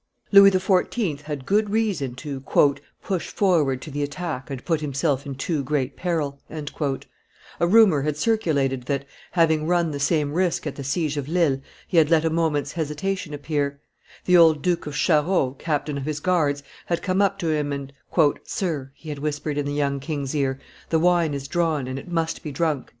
[Journal d' Oliver d' Ormesson, t. ii. p. 542.] Louis XIV. had good reason to "push forward to the attack and put himself in too great peril;" a rumor had circulated that, having run the same risk at the siege of Lille, he had let a moment's hesitation appear; the old Duke of Charost, captain of his guards, had come up to him, and, "Sir," he had whispered in the young king's ear, "the wine is drawn, and it must be drunk."